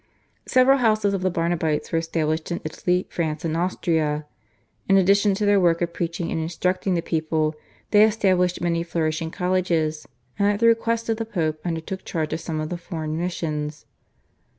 Several houses of the Barnabites were established in Italy, France, and Austria. In addition to their work of preaching and instructing the people they established many flourishing colleges, and at the request of the Pope undertook charge of some of the foreign missions.